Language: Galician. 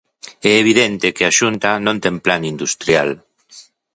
É evidente que a Xunta non ten plan industrial.